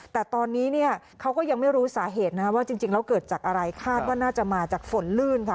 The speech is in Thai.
แต่ตอนนี้เนี่ยเขาก็ยังไม่รู้สาเหตุนะคะว่าจริงแล้วเกิดจากอะไรคาดว่าน่าจะมาจากฝนลื่นค่ะ